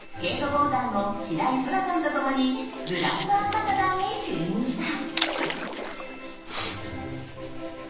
ボーダーの白井空良さんと共にブランドアンバサダーに就任した。